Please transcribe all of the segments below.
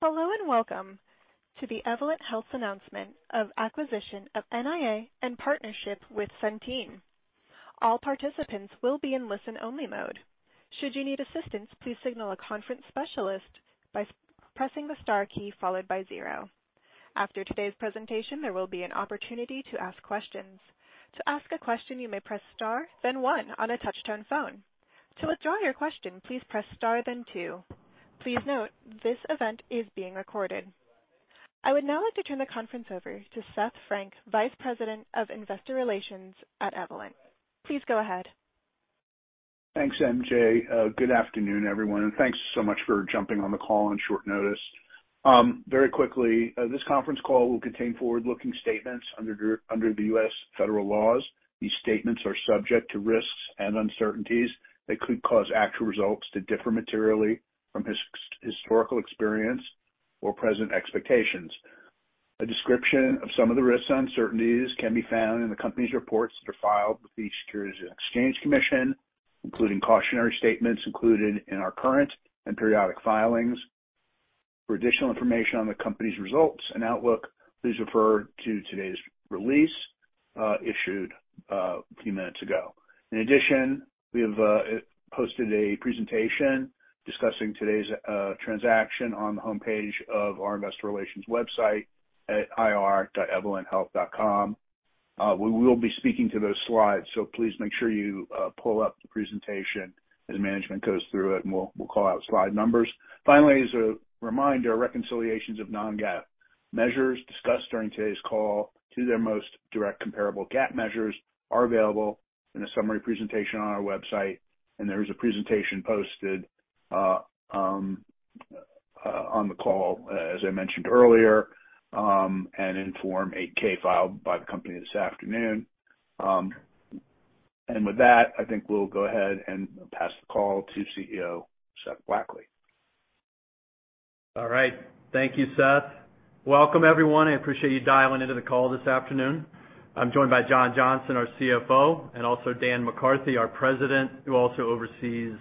Hello, and welcome to the Evolent Health's announcement of acquisition of NIA and partnership with Centene. All participants will be in listen-only mode. Should you need assistance, please signal a conference specialist by pressing the star key followed by zero. After today's presentation, there will be an opportunity to ask questions. To ask a question, you may press star, then one on a touch-tone phone. To withdraw your question, please press star then two. Please note, this event is being recorded. I would now like to turn the conference over to Seth Frank, Vice President of Investor Relations at Evolent. Please go ahead. Thanks, MJ. Good afternoon, everyone, and thanks so much for jumping on the call on short notice. Very quickly, this conference call will contain forward-looking statements under the U.S. federal laws. These statements are subject to risks and uncertainties that could cause actual results to differ materially from historical experience or present expectations. A description of some of the risks and uncertainties can be found in the company's reports that are filed with the Securities and Exchange Commission, including cautionary statements included in our current and periodic filings. For additional information on the company's results and outlook, please refer to today's release issued a few minutes ago. In addition, we have posted a presentation discussing today's transaction on the homepage of our investor relations website at ir.evolenthealth.com. We will be speaking to those slides, so please make sure you pull up the presentation as management goes through it, and we'll call out slide numbers. Finally, as a reminder, reconciliations of non-GAAP measures discussed during today's call to their most direct comparable GAAP measures are available in a summary presentation on our website, and there is a presentation posted on the call, as I mentioned earlier, and in Form 8-K filed by the company this afternoon. With that, I think we'll go ahead and pass the call to CEO, Seth Blackley. All right. Thank you, Seth. Welcome, everyone. I appreciate you dialing into the call this afternoon. I'm joined by John Johnson, our CFO, and also Dan McCarthy, our President, who also oversees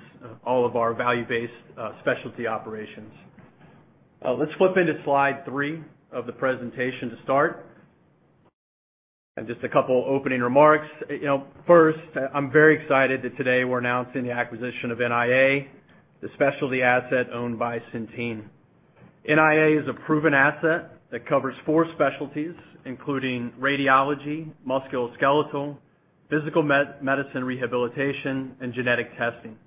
all of our value-based specialty operations. Let's flip into slide three of the presentation to start. Just a couple opening remarks. You know, first, I'm very excited that today we're announcing the acquisition of NIA, the specialty asset owned by Centene. NIA is a proven asset that covers four specialties, including radiology, musculoskeletal, physical medicine rehabilitation, and Genetic Testing,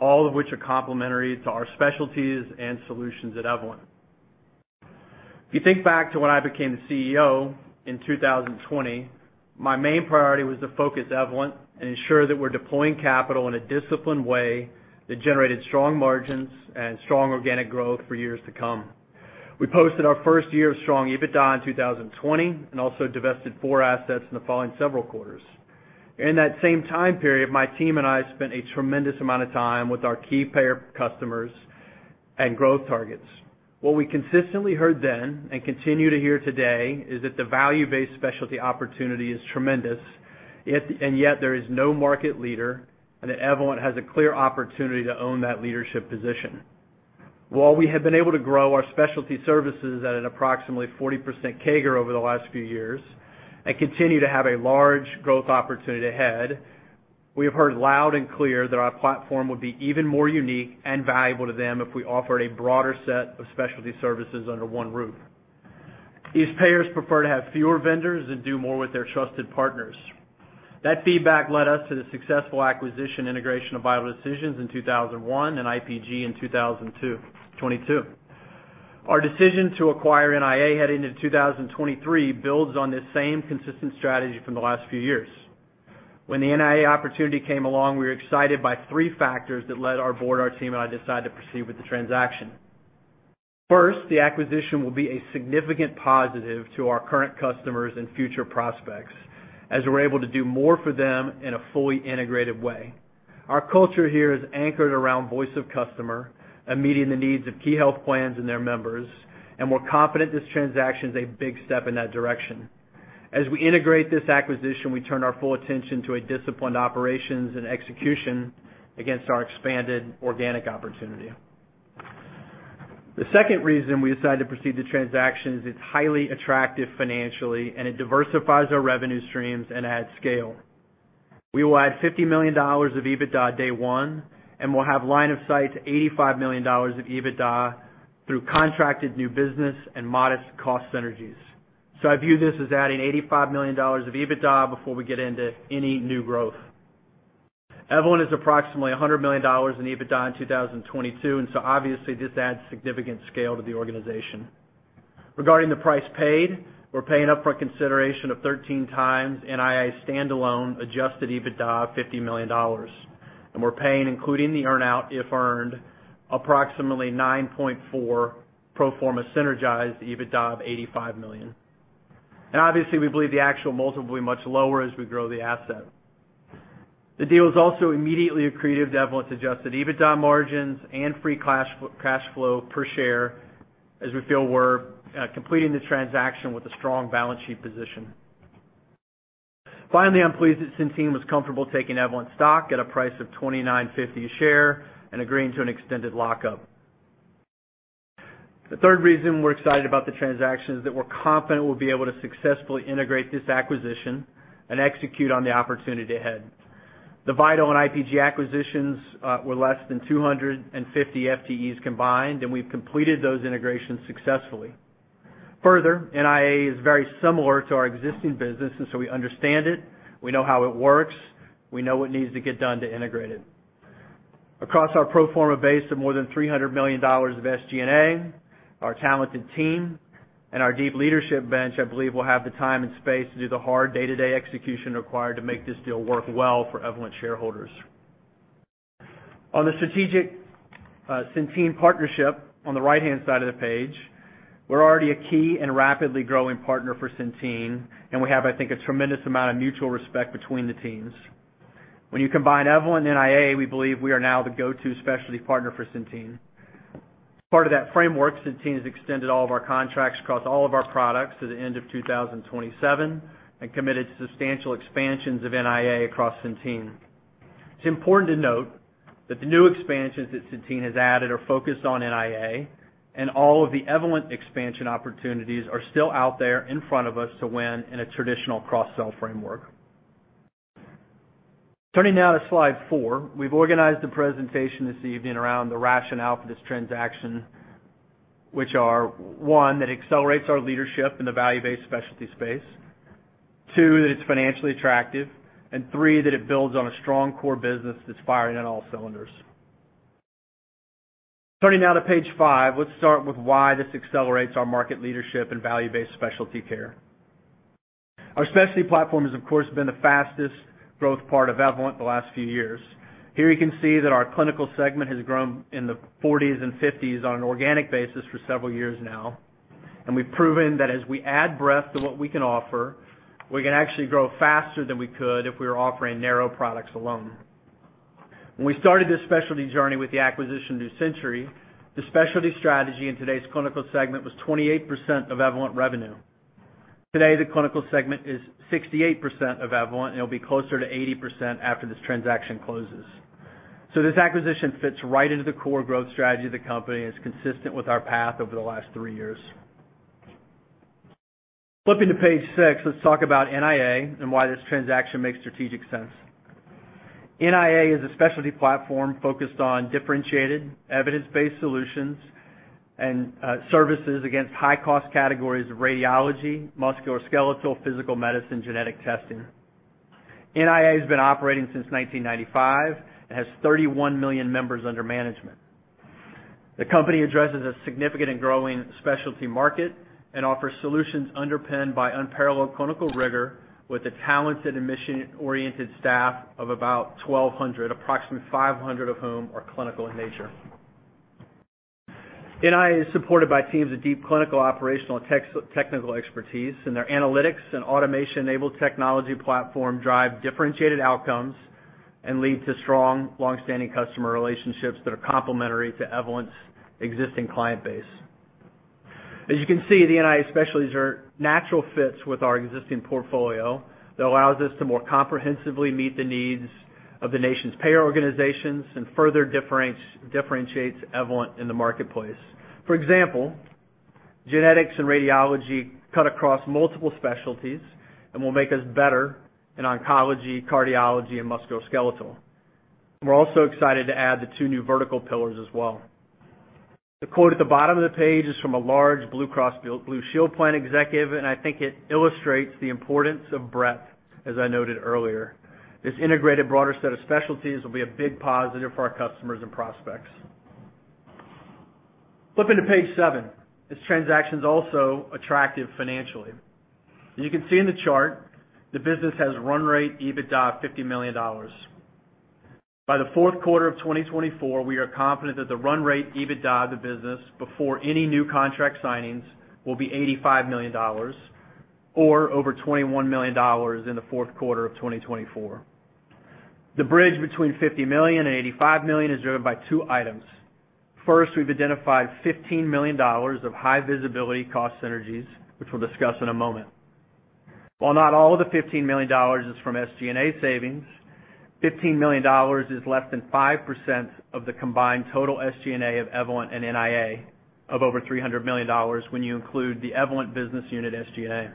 all of which are complementary to our specialties and solutions at Evolent. If you think back to when I became the CEO in 2020, my main priority was to focus Evolent and ensure that we're deploying capital in a disciplined way that generated strong margins and strong organic growth for years to come. We posted our first year of strong EBITDA in 2020 and also divested four assets in the following several quarters. In that same time period, my team and I spent a tremendous amount of time with our key payer customers and growth targets. What we consistently heard then and continue to hear today is that the value-based specialty opportunity is tremendous, yet, and yet there is no market leader, and that Evolent has a clear opportunity to own that leadership position. While we have been able to grow our specialty services at an approximately 40% CAGR over the last few years and continue to have a large growth opportunity ahead, we have heard loud and clear that our platform would be even more unique and valuable to them if we offered a broader set of specialty services under one roof. These payers prefer to have fewer vendors and do more with their trusted partners. That feedback led us to the successful acquisition integration of Vital Decisions in 2001 and IPG in 2022. Our decision to acquire NIA heading into 2023 builds on this same consistent strategy from the last few years. When the NIA opportunity came along, we were excited by three factors that led our board, our team, and I decided to proceed with the transaction. First, the acquisition will be a significant positive to our current customers and future prospects, as we're able to do more for them in a fully integrated way. Our culture here is anchored around voice of customer and meeting the needs of key health plans and their members, and we're confident this transaction is a big step in that direction. As we integrate this acquisition, we turn our full attention to a disciplined operations and execution against our expanded organic opportunity. The second reason we decided to proceed with the transaction is it's highly attractive financially, and it diversifies our revenue streams and adds scale. We will add $50 million of EBITDA day one, and we'll have line of sight to $85 million of EBITDA through contracted new business and modest cost synergies. I view this as adding $85 million of EBITDA before we get into any new growth. Evolent is approximately $100 million in EBITDA in 2022, and so obviously this adds significant scale to the organization. Regarding the price paid, we're paying up for a consideration of 13x NIA's standalone adjusted EBITDA of $50 million. We're paying, including the earn-out, if earned, approximately 9.4x pro forma synergized EBITDA of $85 million. Obviously, we believe the actual multiple will be much lower as we grow the asset. The deal is also immediately accretive to Evolent's adjusted EBITDA margins and free cash flow per share, as we feel we're completing the transaction with a strong balance sheet position. Finally, I'm pleased that Centene was comfortable taking Evolent stock at a price of $29.50 a share and agreeing to an extended lockup. The third reason we're excited about the transaction is that we're confident we'll be able to successfully integrate this acquisition and execute on the opportunity ahead. The Vital and IPG acquisitions were less than 250 FTEs combined, and we've completed those integrations successfully. Further, NIA is very similar to our existing business, and so we understand it, we know how it works, we know what needs to get done to integrate it. Across our pro forma base of more than $300 million of SG&A, our talented team, and our deep leadership bench, I believe we'll have the time and space to do the hard day-to-day execution required to make this deal work well for Evolent shareholders. On the strategic Centene partnership on the right-hand side of the page, we're already a key and rapidly growing partner for Centene, and we have, I think, a tremendous amount of mutual respect between the teams. When you combine Evolent and NIA, we believe we are now the go-to specialty partner for Centene. As part of that framework, Centene has extended all of our contracts across all of our products to the end of 2027 and committed substantial expansions of NIA across Centene. It's important to note that the new expansions that Centene has added are focused on NIA, and all of the Evolent expansion opportunities are still out there in front of us to win in a traditional cross-sell framework. Turning now to slide four. We've organized the presentation this evening around the rationale for this transaction, which are, one, that accelerates our leadership in the value-based specialty space, two, that it's financially attractive, and three, that it builds on a strong core business that's firing on all cylinders. Turning now to page five, let's start with why this accelerates our market leadership in value-based specialty care. Our specialty platform has, of course, been the fastest growth part of Evolent the last few years. Here, you can see that our clinical segment has grown in the 40%s and 50%s on an organic basis for several years now, and we've proven that as we add breadth to what we can offer, we can actually grow faster than we could if we were offering narrow products alone. When we started this specialty journey with the acquisition of New Century, the specialty strategy in today's clinical segment was 28% of Evolent revenue. Today, the clinical segment is 68% of Evolent, and it'll be closer to 80% after this transaction closes. This acquisition fits right into the core growth strategy of the company and is consistent with our path over the last three years. Flipping to page six, let's talk about NIA and why this transaction makes strategic sense. NIA is a specialty platform focused on differentiated, evidence-based solutions and services against high-cost categories of radiology, musculoskeletal, physical medicine, Genetic Testing. NIA has been operating since 1995. It has 31 million members under management. The company addresses a significant and growing specialty market and offers solutions underpinned by unparalleled clinical rigor with a talented and mission-oriented staff of about 1,200, approximately 500 of whom are clinical in nature. NIA is supported by teams of deep clinical, operational, and technical expertise, and their analytics and automation-enabled technology platform drive differentiated outcomes and lead to strong, long-standing customer relationships that are complementary to Evolent's existing client base. As you can see, the NIA specialties are natural fits with our existing portfolio that allows us to more comprehensively meet the needs of the nation's payer organizations and further differentiates Evolent in the marketplace. For example, genetics and radiology cut across multiple specialties and will make us better in oncology, cardiology, and musculoskeletal. And we're also excited to add the two new vertical pillars as well. The quote at the bottom of the page is from a large Blue Cross Blue Shield plan executive, and I think it illustrates the importance of breadth, as I noted earlier. This integrated broader set of specialties will be a big positive for our customers and prospects. Flipping to page seven. This transaction is also attractive financially. As you can see in the chart, the business has run rate EBITDA of $50 million. By the fourth quarter of 2024, we are confident that the run rate EBITDA of the business before any new contract signings will be $85 million or over $21 million in the fourth quarter of 2024. The bridge between $50 million and $85 million is driven by two items. First, we've identified $15 million of high visibility cost synergies, which we'll discuss in a moment. While not all of the $15 million is from SG&A savings, $15 million is less than 5% of the combined total SG&A of Evolent and NIA of over $300 million when you include the Evolent business unit SG&A.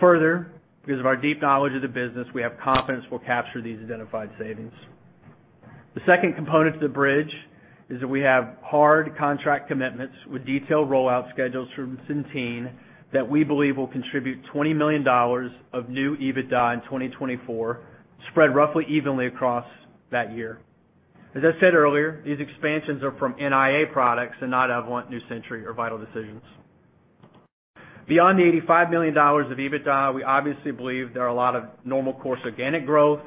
Further, because of our deep knowledge of the business, we have confidence we'll capture these identified savings. The second component to the bridge is that we have hard contract commitments with detailed rollout schedules from Centene that we believe will contribute $20 million of new EBITDA in 2024, spread roughly evenly across that year. As I said earlier, these expansions are from NIA products and not Evolent, New Century, or Vital Decisions. Beyond the $85 million of EBITDA, we obviously believe there are a lot of normal course organic growth,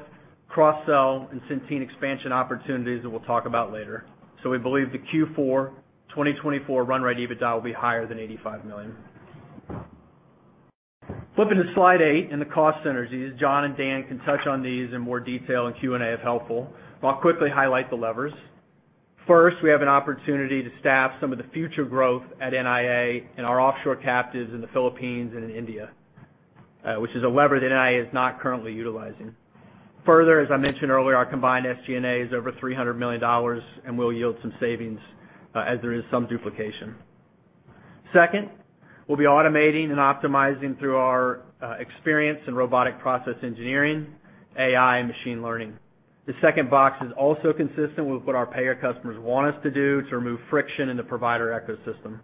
cross-sell, and Centene expansion opportunities that we'll talk about later. We believe the Q4 2024 run rate EBITDA will be higher than $85 million. Flipping to slide eight and the cost synergies. John and Dan can touch on these in more detail in Q&A if helpful, but I'll quickly highlight the levers. First, we have an opportunity to staff some of the future growth at NIA in our offshore captives in the Philippines and in India, which is a lever that NIA is not currently utilizing. Further, as I mentioned earlier, our combined SG&A is over $300 million and will yield some savings as there is some duplication. Second, we'll be automating and optimizing through our experience in robotic process engineering, AI, and machine learning. The second box is also consistent with what our payer customers want us to do to remove friction in the provider ecosystem.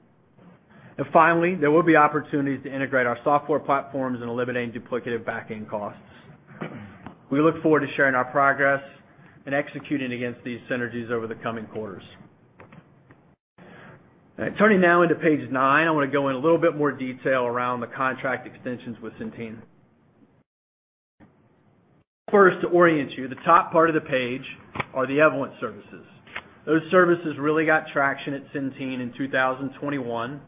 Finally, there will be opportunities to integrate our software platforms and eliminating duplicative back-end costs. We look forward to sharing our progress and executing against these synergies over the coming quarters. All right, turning now into page nine, I wanna go in a little bit more detail around the contract extensions with Centene. First, to orient you, the top part of the page are the Evolent services. Those services really got traction at Centene in 2021,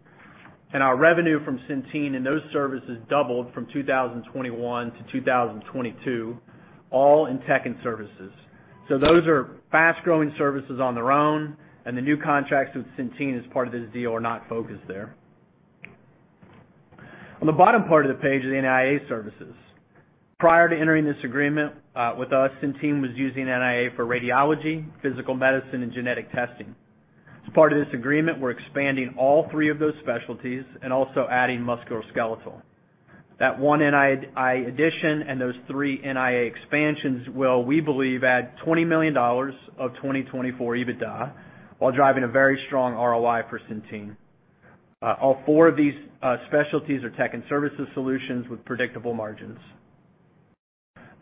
and our revenue from Centene in those services doubled from 2021 to 2022, all in tech and services. Those are fast-growing services on their own, and the new contracts with Centene as part of this deal are not focused there. On the bottom part of the page are the NIA services. Prior to entering this agreement with us, Centene was using NIA for radiology, physical medicine, and Genetic Testing. As part of this agreement, we're expanding all three of those specialties and also adding musculoskeletal. That one addition and those three NIA expansions will, we believe, add $20 million of 2024 EBITDA while driving a very strong ROI for Centene. All four of these specialties are tech and services solutions with predictable margins.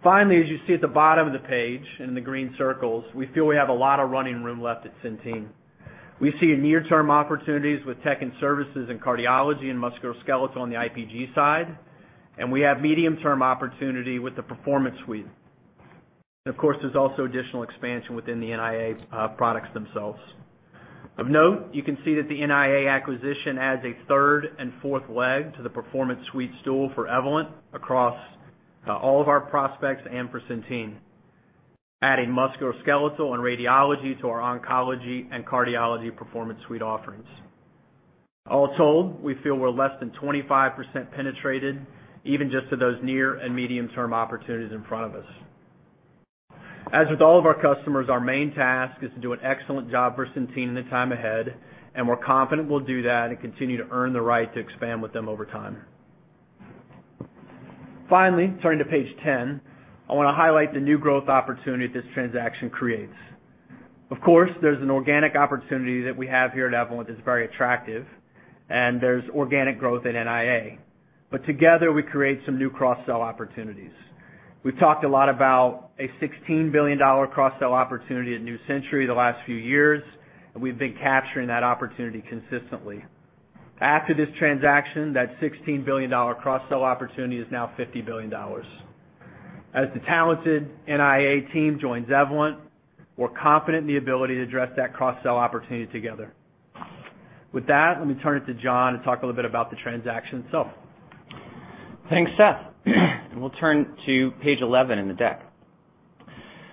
Finally, as you see at the bottom of the page in the green circles, we feel we have a lot of running room left at Centene. We see near-term opportunities with tech and services in cardiology and musculoskeletal on the IPG side, and we have medium-term opportunity with the Performance Suite. Of course, there's also additional expansion within the NIA's products themselves. Of note, you can see that the NIA acquisition adds a third and fourth leg to the Performance Suite stool for Evolent across all of our prospects and for Centene, adding musculoskeletal and radiology to our oncology and cardiology Performance Suite offerings. All told, we feel we're less than 25% penetrated, even just to those near and medium-term opportunities in front of us. As with all of our customers, our main task is to do an excellent job for Centene in the time ahead, and we're confident we'll do that and continue to earn the right to expand with them over time. Finally, turning to page 10, I wanna highlight the new growth opportunity this transaction creates. Of course, there's an organic opportunity that we have here at Evolent that's very attractive, and there's organic growth at NIA. Together, we create some new cross-sell opportunities. We've talked a lot about a $16 billion cross-sell opportunity at New Century the last few years, and we've been capturing that opportunity consistently. After this transaction, that $16 billion cross-sell opportunity is now $50 billion. As the talented NIA team joins Evolent, we're confident in the ability to address that cross-sell opportunity together. With that, let me turn it to John to talk a little bit about the transaction itself. Thanks, Seth. We'll turn to page 11 in the deck.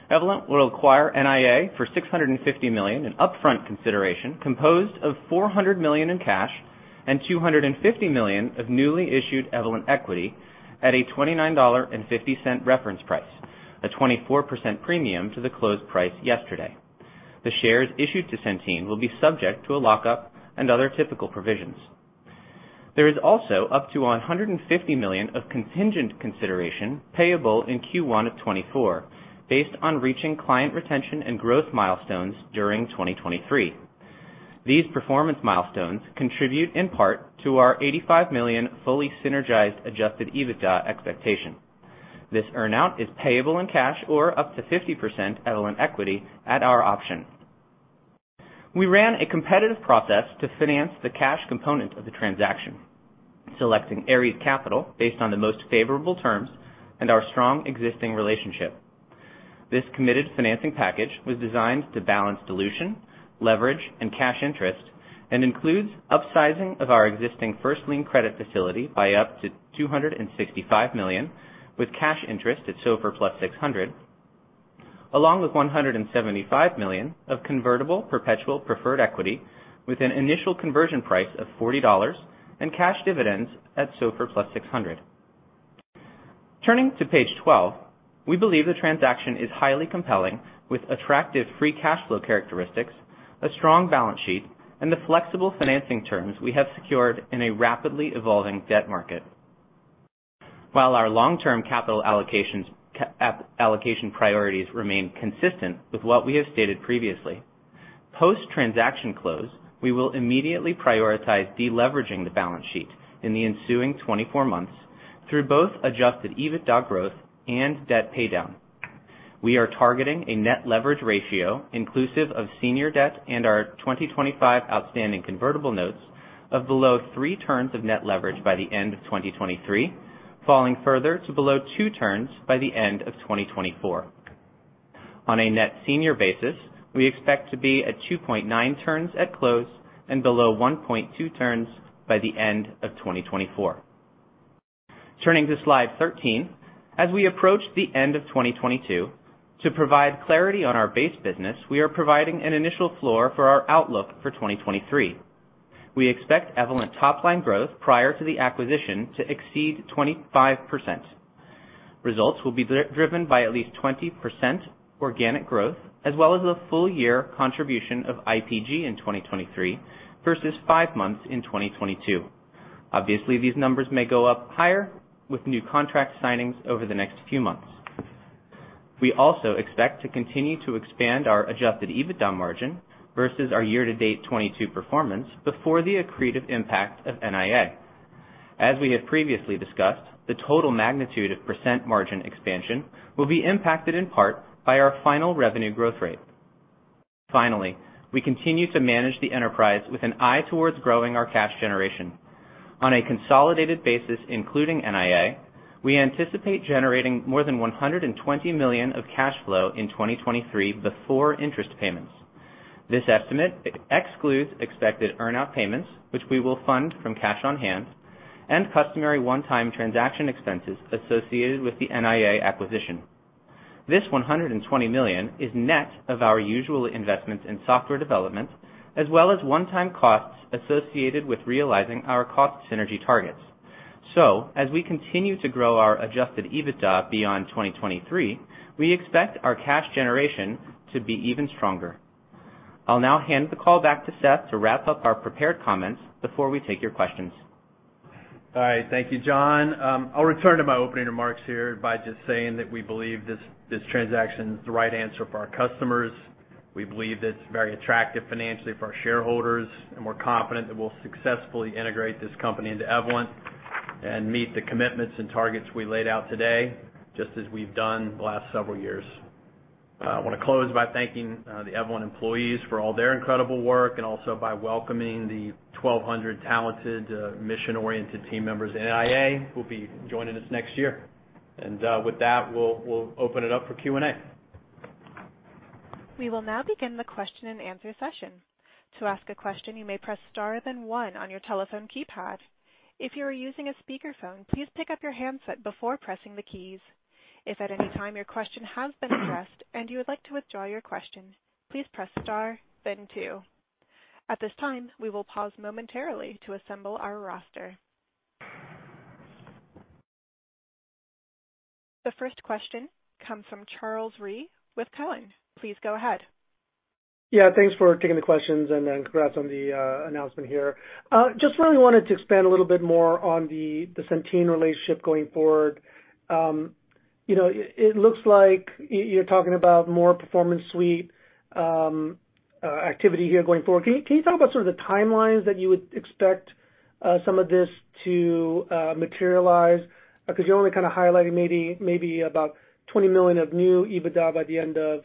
Evolent will acquire NIA for $650 million in upfront consideration, composed of $400 million in cash and $250 million of newly issued Evolent equity at a $29.50 reference price, a 24% premium to the closed price yesterday. The shares issued to Centene will be subject to a lockup and other typical provisions. There is also up to $150 million of contingent consideration payable in Q1 of 2024, based on reaching client retention and growth milestones during 2023. These performance milestones contribute in part to our $85 million fully synergized adjusted EBITDA expectation. This earn-out is payable in cash or up to 50% Evolent equity at our option. We ran a competitive process to finance the cash component of the transaction, selecting Ares Capital based on the most favorable terms and our strong existing relationship. This committed financing package was designed to balance dilution, leverage, and cash interest, and includes upsizing of our existing first lien credit facility by up to $265 million, with cash interest at SOFR plus 600, along with $175 million of convertible perpetual preferred equity with an initial conversion price of $40 and cash dividends at SOFR plus 600. Turning to page 12, we believe the transaction is highly compelling, with attractive free cash flow characteristics, a strong balance sheet, and the flexible financing terms we have secured in a rapidly evolving debt market. While our long-term capital allocation priorities remain consistent with what we have stated previously, post-transaction close, we will immediately prioritize deleveraging the balance sheet in the ensuing 24 months through both Adjusted EBITDA growth and debt paydown. We are targeting a net leverage ratio inclusive of senior debt and our 2025 outstanding convertible notes of below three turns of net leverage by the end of 2023, falling further to below two turns by the end of 2024. On a net senior basis, we expect to be at 2.9 turns at close and below 1.2 turns by the end of 2024. Turning to slide 13. As we approach the end of 2022, to provide clarity on our base business, we are providing an initial floor for our outlook for 2023. We expect Evolent top-line growth prior to the acquisition to exceed 25%. Results will be driven by at least 20% organic growth, as well as the full year contribution of IPG in 2023 versus five months in 2022. Obviously, these numbers may go up higher with new contract signings over the next few months. We also expect to continue to expand our adjusted EBITDA margin versus our year-to-date 2022 performance before the accretive impact of NIA. As we have previously discussed, the total magnitude of percent margin expansion will be impacted in part by our final revenue growth rate. Finally, we continue to manage the enterprise with an eye towards growing our cash generation. On a consolidated basis, including NIA, we anticipate generating more than $120 million of cash flow in 2023 before interest payments. This estimate excludes expected earn-out payments, which we will fund from cash on hand and customary one-time transaction expenses associated with the NIA acquisition. This $120 million is net of our usual investments in software development, as well as one-time costs associated with realizing our cost synergy targets. As we continue to grow our adjusted EBITDA beyond 2023, we expect our cash generation to be even stronger. I'll now hand the call back to Seth to wrap up our prepared comments before we take your questions. All right. Thank you, John. I'll return to my opening remarks here by just saying that we believe this transaction is the right answer for our customers. We believe it's very attractive financially for our shareholders, and we're confident that we'll successfully integrate this company into Evolent and meet the commitments and targets we laid out today, just as we've done the last several years. I wanna close by thanking the Evolent employees for all their incredible work and also by welcoming the 1,200 talented, mission-oriented team members at NIA who'll be joining us next year. With that, we'll open it up for Q&A. We will now begin the question-and-answer session. To ask a question, you may press star then one on your telephone keypad. If you are using a speakerphone, please pick up your handset before pressing the keys. If at any time your question has been addressed and you would like to withdraw your question, please press star then two. At this time, we will pause momentarily to assemble our roster. The first question comes from Charles Rhyee with Cowen. Please go ahead. Yeah, thanks for taking the questions. Congrats on the announcement here. Just really wanted to expand a little bit more on the Centene relationship going forward. You know, it looks like you're talking about more Performance Suite activity here going forward. Can you talk about sort of the timelines that you would expect some of this to materialize? Because you're only kind of highlighting maybe about $20 million of new EBITDA by the end of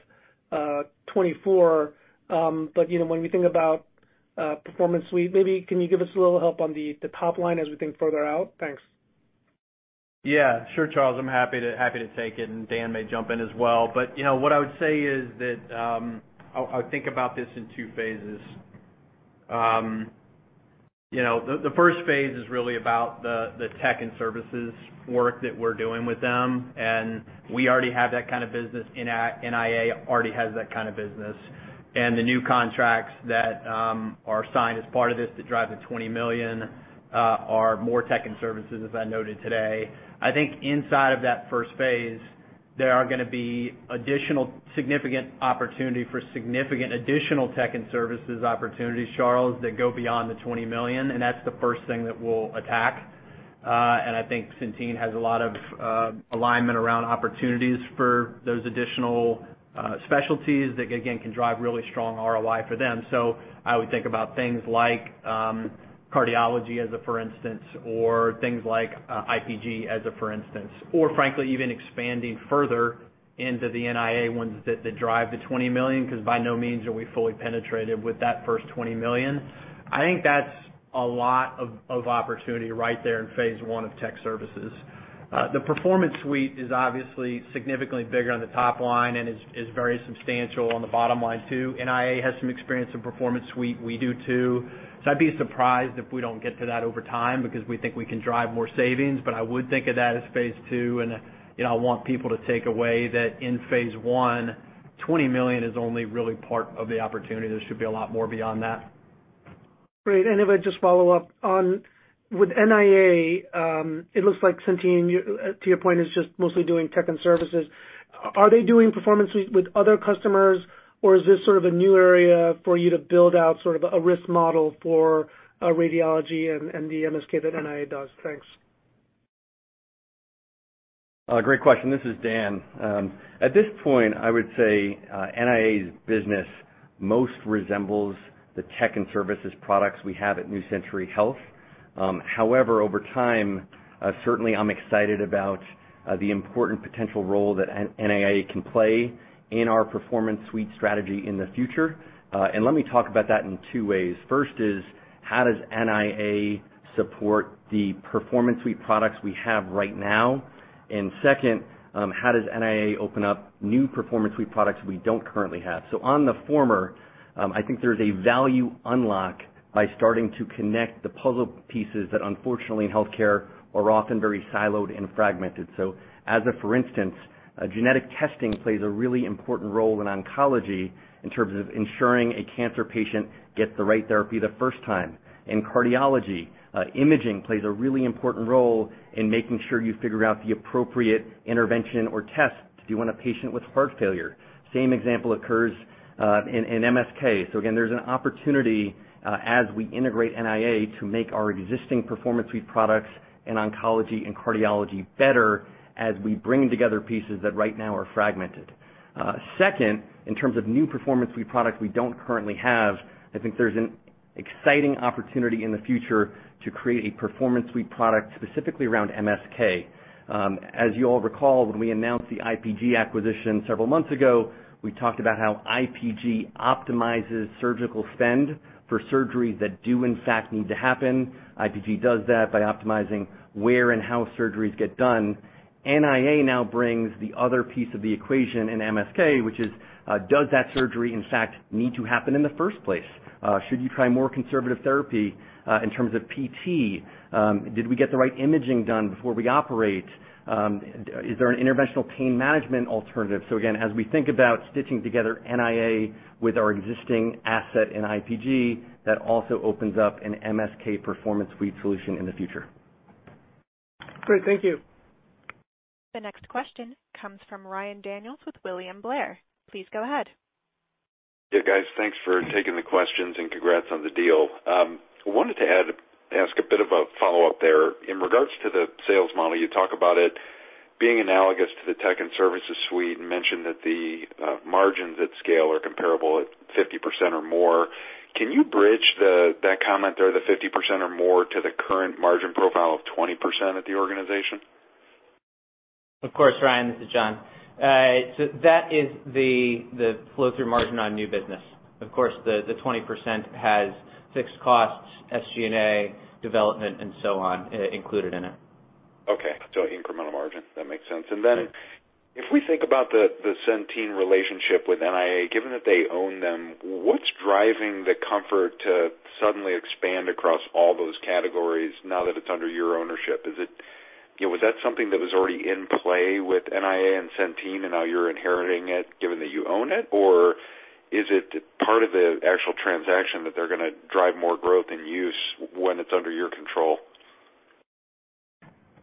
2024. You know, when we think about Performance Suite, maybe can you give us a little help on the top line as we think further out? Thanks. Yeah, sure, Charles, I'm happy to, happy to take it, and Dan may jump in as well. But, you know, what I would say is that, um, I'll think about this in two phases. Um, you know, the first phase is really about the tech and services work that we're doing with them, and we already have that kind of business, NIA already has that kind of business. And the new contracts that, um, are signed as part of this to drive the $20 million, uh, are more tech and services, as I noted today. I think inside of that first phase, there are gonna be additional significant opportunity for significant additional tech and services opportunities, Charles, that go beyond the $20 million, and that's the first thing that we'll attack. Uh, and I think Centene has a lot of, uh, alignment around opportunities for those additional, uh, specialties that again, can drive really strong ROI for them. So I would think about things like, um, cardiology as a for instance, or things like, uh, IPG as a for instance, or frankly, even expanding further into the NIA ones that drive the $20 million, 'cause by no means are we fully penetrated with that first $20 million. I think that's a lot of opportunity right there in phase one of tech services. Uh, the Performance Suite is obviously significantly bigger on the top line and is very substantial on the bottom line too. NIA has some experience in Performance Suite, we do too. So I'd be surprised if we don't get to that over time because we think we can drive more savings. I would think of that as phase two. You know, I want people to take away that in phase one, $20 million is only really part of the opportunity. There should be a lot more beyond that. Great. If I just follow up on with NIA, it looks like Centene, to your point, is just mostly doing tech and services. Are they doing Performance Suite with other customers, or is this sort of a new area for you to build out sort of a risk model for radiology and the MSK that NIA does? Thanks. Great question. This is Dan. At this point, I would say NIA's business most resembles the tech and services products we have at New Century Health. However, over time, certainly I'm excited about the important potential role that NIA can play in our Performance Suite strategy in the future. Let me talk about that in two ways. First is how does NIA support the Performance Suite products we have right now? Second, how does NIA open up new Performance Suite products we don't currently have? On the former, I think there's a value unlock by starting to connect the puzzle pieces that unfortunately in healthcare are often very siloed and fragmented. As a for instance, Genetic Testing plays a really important role in oncology in terms of ensuring a cancer patient gets the right therapy the first time. In cardiology, imaging plays a really important role in making sure you figure out the appropriate intervention or test to do on a patient with heart failure. Same example occurs in MSK. Again, there's an opportunity as we integrate NIA to make our existing Performance Suite products in oncology and cardiology better as we bring together pieces that right now are fragmented. Second, in terms of new Performance Suite products we don't currently have, I think there's an exciting opportunity in the future to create a Performance Suite product specifically around MSK. As you all recall, when we announced the IPG acquisition several months ago, we talked about how IPG optimizes surgical spend for surgeries that do in fact need to happen. IPG does that by optimizing where and how surgeries get done. NIA now brings the other piece of the equation in MSK, which is does that surgery in fact need to happen in the first place? Should you try more conservative therapy in terms of P.T.? Did we get the right imaging done before we operate? Is there an interventional pain management alternative? Again, as we think about stitching together NIA with our existing asset in IPG, that also opens up an MSK Performance Suite solution in the future. Great. Thank you. The next question comes from Ryan Daniels with William Blair. Please go ahead. Yeah, guys, thanks for taking the questions, and congrats on the deal. Wanted to ask a bit of a follow-up there. In regards to the sales model, you talk about it being analogous to the Tech and Services Suite and mentioned that the margins at scale are comparable at 50% or more. Can you bridge that comment there, the 50% or more, to the current margin profile of 20% at the organization? Of course, Ryan, this is John. That is the flow-through margin on new business. Of course, the 20% has fixed costs, SG&A, development, and so on, included in it. Okay. Incremental margin. That makes sense. Mm-hmm. If we think about the Centene relationship with NIA, given that they own them, what's driving the comfort to suddenly expand across all those categories now that it's under your ownership? You know, was that something that was already in play with NIA and Centene, and now you're inheriting it given that you own it? Is it part of the actual transaction that they're gonna drive more growth and use when it's under your control?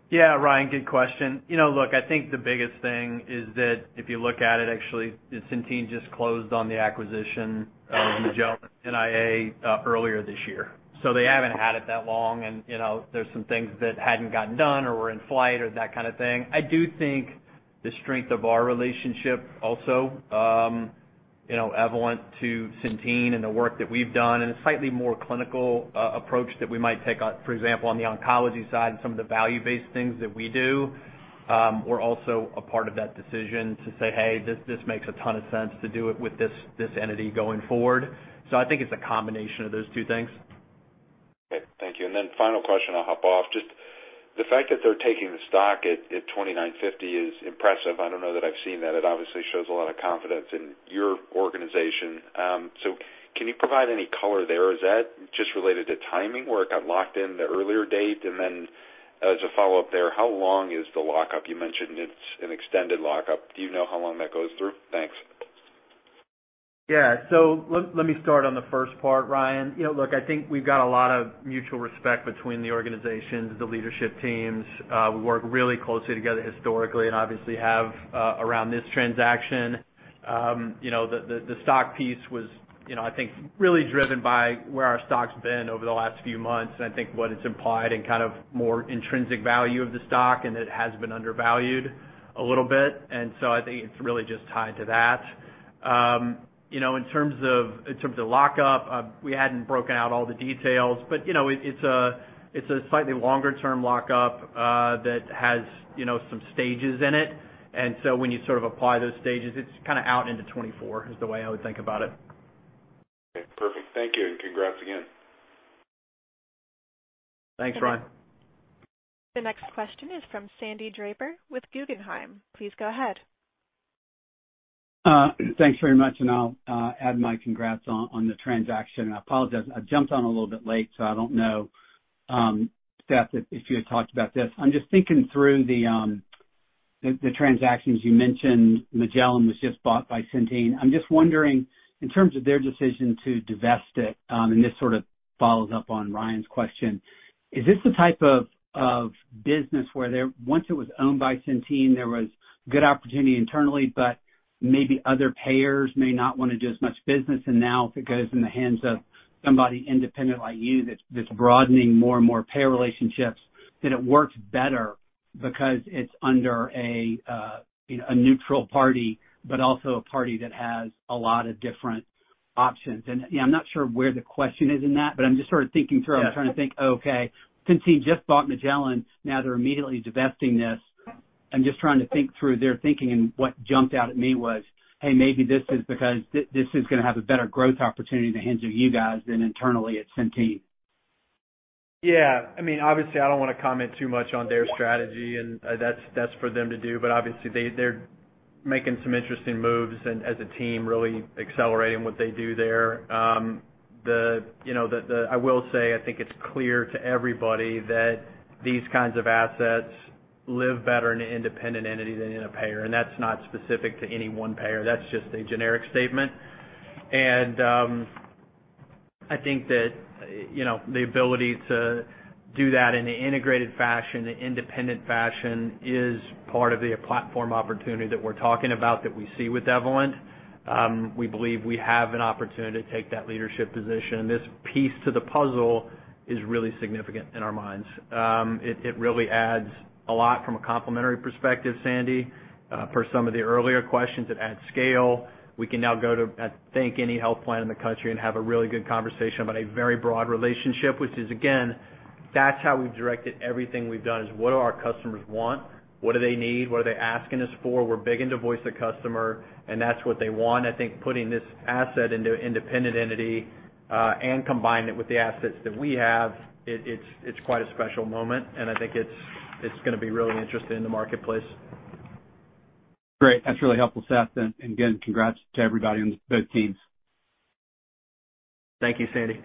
Yeah. Ryan, good question. You know, look, I think the biggest thing is that if you look at it, actually, Centene just closed on the acquisition of Magellan NIA earlier this year. They haven't had it that long, and, you know, there's some things that hadn't gotten done or were in flight or that kind of thing. I do think the strength of our relationship also, you know, Evolent to Centene and the work that we've done, and a slightly more clinical approach that we might take on, for example, on the oncology side and some of the value-based things that we do, were also a part of that decision to say, "Hey, this makes a ton of sense to do it with this entity going forward." I think it's a combination of those two things. Okay. Thank you. Final question, I'll hop off. Just the fact that they're taking the stock at $29.50 is impressive. I don't know that I've seen that. It obviously shows a lot of confidence in your organization. Can you provide any color there? Is that just related to timing, where it got locked in the earlier date? As a follow-up there, how long is the lockup? You mentioned it's an extended lockup. Do you know how long that goes through? Thanks. Yeah. Let me start on the first part, Ryan. You know, look, I think we've got a lot of mutual respect between the organizations, the leadership teams. We work really closely together historically and obviously have around this transaction. You know, the stock piece was, you know, I think really driven by where our stock's been over the last few months, and I think what it's implied and kind of more intrinsic value of the stock, and it has been undervalued a little bit. I think it's really just tied to that. You know, in terms of lockup, we hadn't broken out all the details, but, you know, it's a slightly longer term lockup that has, you know, some stages in it. When you sort of apply those stages, it's kinda out into 2024, is the way I would think about it. Okay. Perfect. Thank you, and congrats again. Thanks, Ryan. The next question is from Sandy Draper with Guggenheim. Please go ahead. Thanks very much. I'll add my congrats on the transaction. I apologize. I jumped on a little bit late. I don't know, Seth, if you had talked about this. I'm just thinking through the transactions you mentioned. Magellan was just bought by Centene. I'm just wondering, in terms of their decision to divest it, and this sort of follows up on Ryan's question, is this the type of business where once it was owned by Centene Corporation, there was good opportunity internally, but maybe other payers may not want to do as much business, and now if it goes in the hands of somebody independent like you, that's broadening more and more payer relationships, then it works better because it's under a, you know, neutral party, but also a party that has a lot of different options? You know, I'm not sure where the question is in that, but I'm just sort of thinking through. Yeah. I'm trying to think. Okay, Centene just bought Magellan. Now they're immediately divesting this. I'm just trying to think through their thinking, and what jumped out at me was, hey, maybe this is because this is gonna have a better growth opportunity in the hands of you guys than internally at Centene. Yeah, I mean, obviously, I don't wanna comment too much on their strategy, and that's for them to do. Obviously they're making some interesting moves and, as a team, really accelerating what they do there. I will say, I think it's clear to everybody that these kinds of assets live better in an independent entity than in a payer. That's not specific to any one payer, that's just a generic statement. I think that, you know, the ability to do that in an integrated fashion, an independent fashion is part of the platform opportunity that we're talking about that we see with Evolent. We believe we have an opportunity to take that leadership position, and this piece to the puzzle is really significant in our minds. It really adds a lot from a complementary perspective, Sandy. Per some of the earlier questions, it adds scale. We can now go to, I think, any health plan in the country and have a really good conversation about a very broad relationship, which is again, that's how we've directed everything we've done, is what do our customers want? What do they need? What are they asking us for? We're big into voice of customer, and that's what they want. I think putting this asset into an independent entity and combining it with the assets that we have, it's quite a special moment, and I think it's gonna be really interesting in the marketplace. Great. That's really helpful, Seth. Again, congrats to everybody on both teams. Thank you, Sandy.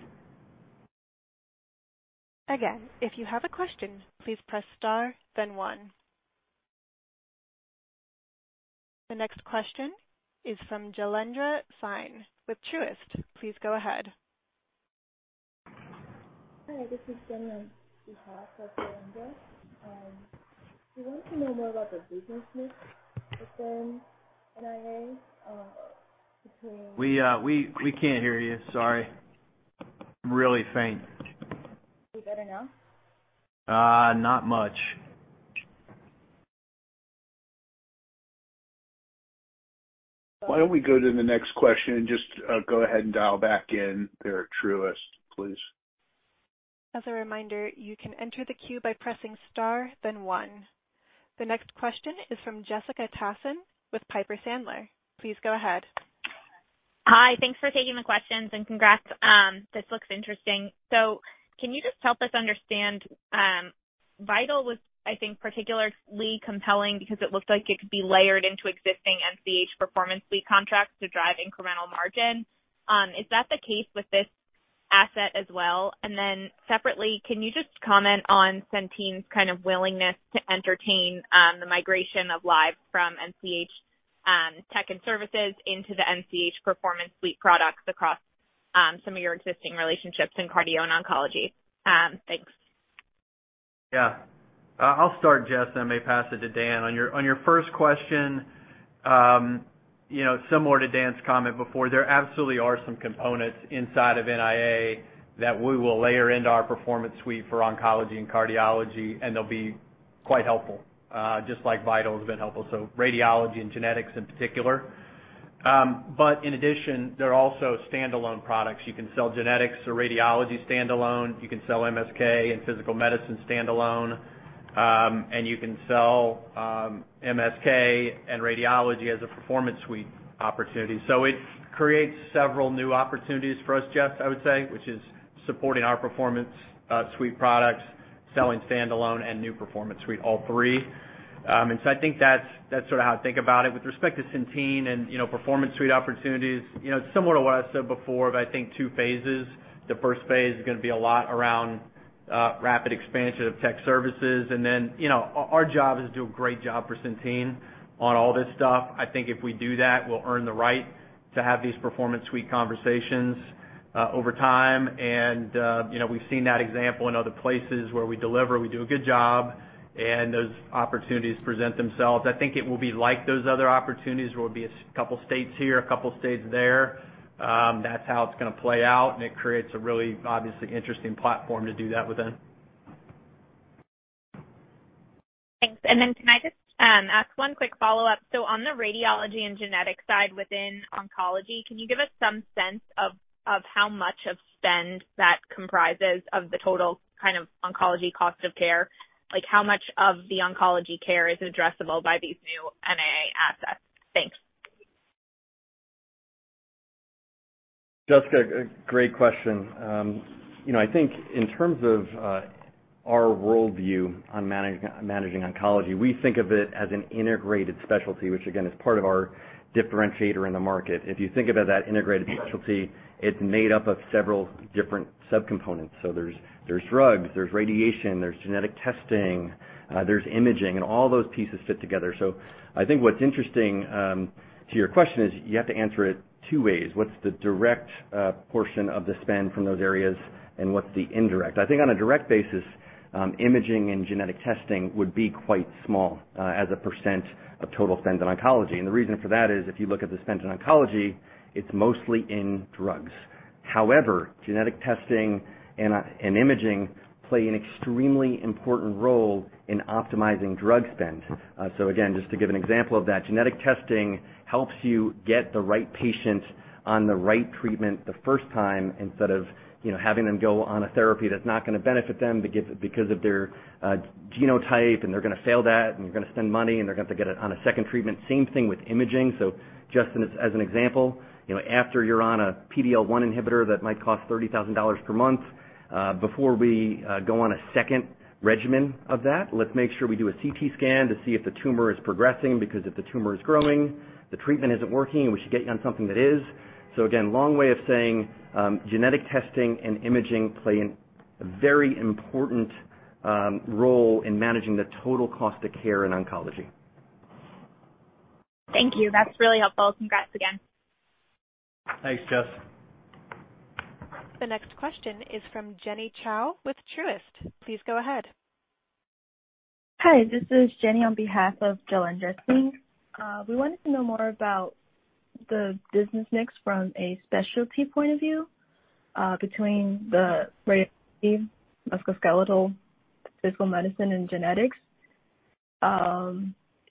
Again, if you have a question, please press star then one. The next question is from Jailendra Singh with Truist. Please go ahead. Hi, this is [Jenna] on behalf of Jailendra. We wanted to know more about the business mix within NIA. We can't hear you. Sorry. Really faint. Is it better now? Not much. Why don't we go to the next question and just go ahead and dial back in there at Truist, please. As a reminder, you can enter the queue by pressing star then one. The next question is from Jessica Tassan with Piper Sandler. Please go ahead. Hi. Thanks for taking the questions and congrats. This looks interesting. Can you just help us understand? Vital was, I think, particularly compelling because it looked like it could be layered into existing NCH Performance Suite contracts to drive incremental margin. Is that the case with this asset as well? Separately, can you just comment on Centene's kind of willingness to entertain the migration of lives from NCH Tech and Services into the NCH Performance Suite products across some of your existing relationships in cardio and oncology? Thanks. Yeah. I'll start, Jess, then may pass it to Dan. On your first question, you know, similar to Dan's comment before, there absolutely are some components inside of NIA that we will layer into our Performance Suite for oncology and cardiology, and they'll be quite helpful, just like Vital's been helpful, so radiology and genetics in particular. In addition, they're also standalone products. You can sell genetics or radiology standalone. You can sell MSK and physical medicine standalone, and you can sell MSK and radiology as a Performance Suite opportunity. It creates several new opportunities for us, Jess, I would say, which is supporting our Performance Suite products, selling standalone and new Performance Suite, all three. I think that's sort of how to think about it. With respect to Centene and, you know, Performance Suite opportunities, you know, similar to what I said before, but I think two phases. The first phase is gonna be a lot around rapid expansion of tech services. You know, our job is to do a great job for Centene on all this stuff. I think if we do that, we'll earn the right to have these Performance Suite conversations over time. You know, we've seen that example in other places where we deliver, we do a good job, and those opportunities present themselves. I think it will be like those other opportunities where it'll be a couple states here, a couple states there. That's how it's gonna play out, and it creates a really obviously interesting platform to do that within. Thanks. Can I just ask one quick follow-up? On the radiology and genetic side within oncology, can you give us some sense of how much of spend that comprises of the total kind of oncology cost of care? Like how much of the oncology care is addressable by these new NIA assets? Thanks. Jessica, a great question. You know, I think in terms of our world view on managing oncology, we think of it as an integrated specialty, which again, is part of our differentiator in the market. If you think about that integrated specialty, it's made up of several different subcomponents. There's drugs, there's radiation, there's Genetic Testing, there's imaging, and all those pieces fit together. I think what's interesting to your question is, you have to answer it two ways. What's the direct portion of the spend from those areas and what's the indirect? I think on a direct basis, imaging and Genetic Testing would be quite small as a % of total spend in oncology. The reason for that is if you look at the spend in oncology, it's mostly in drugs. However, Genetic Testing and imaging play an extremely important role in optimizing drug spend. Again, just to give an example of that, Genetic Testing helps you get the right patient on the right treatment the first time instead of, you know, having them go on a therapy that's not gonna benefit them because of their genotype, and they're gonna fail that, and you're gonna spend money, and they're gonna have to get it on a second treatment. Same thing with imaging. Just as an example, you know, after you're on a PDL1 inhibitor that might cost $30,000 per month, before we go on a second regimen of that, let's make sure we do a CT scan to see if the tumor is progressing, because if the tumor is growing, the treatment isn't working, and we should get you on something that is. A very important role in managing the total cost of care in oncology. Thank you. That's really helpful. Congrats again. Thanks, Jess. The next question is from [Jenny Chao] with Truist. Please go ahead. Hi, this is Jenny on behalf of Jailendra Singh. We wanted to know more about the business mix from a specialty point of view between the radiology, musculoskeletal, physical medicine, and genetics,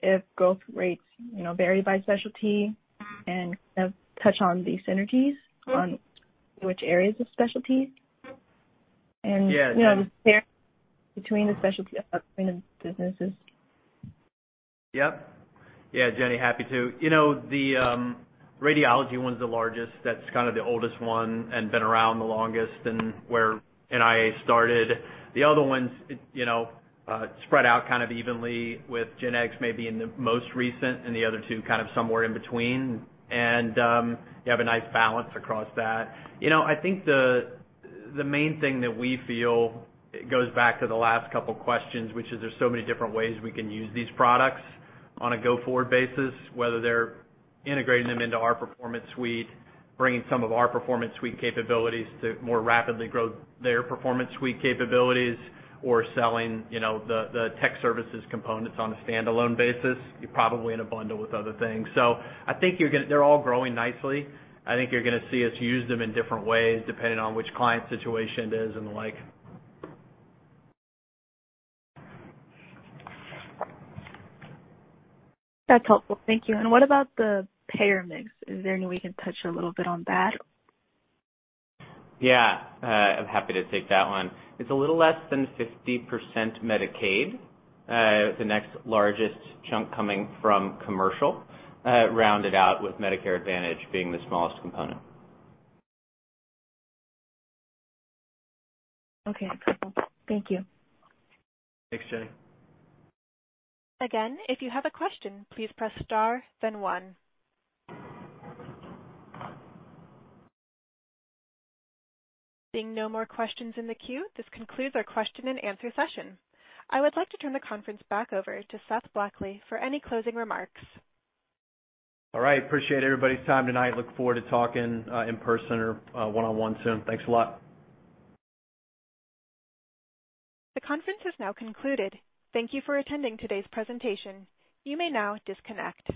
if growth rates, you know, vary by specialty and kind of touch on these synergies on which areas of specialty? Yeah. You know, the difference between the specialty and the businesses. Yep. Yeah, Jenny, happy to. You know, the radiology one's the largest. That's kind of the oldest one and been around the longest and where NIA started. The other ones, you know, spread out kind of evenly with genetics maybe in the most recent and the other two kind of somewhere in between. You have a nice balance across that. You know, I think the main thing that we feel goes back to the last couple questions, which is there's so many different ways we can use these products on a go-forward basis, whether they're integrating them into our Performance Suite, bringing some of our Performance Suite capabilities to more rapidly grow their Performance Suite capabilities or selling, you know, the tech services components on a standalone basis, probably in a bundle with other things. They're all growing nicely. I think you're gonna see us use them in different ways depending on which client situation it is and the like. That's helpful. Thank you. What about the payer mix? Is there any way you can touch a little bit on that? Yeah. I'm happy to take that one. It's a little less than 50% Medicaid, with the next largest chunk coming from commercial, rounded out with Medicare Advantage being the smallest component. Okay, cool. Thank you. Thanks, Jenny. Again, if you have a question, please press star then one. Seeing no more questions in the queue, this concludes our question and answer session. I would like to turn the conference back over to Seth Blackley for any closing remarks. All right. Appreciate everybody's time tonight. Look forward to talking in person or one-on-one soon. Thanks a lot. The conference is now concluded. Thank you for attending today's presentation. You may now disconnect.